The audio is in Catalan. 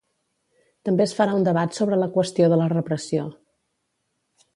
També es farà un debat sobre la qüestió de la repressió.